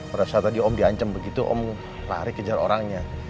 udah saat tadi om di ancam begitu om lari kejar orangnya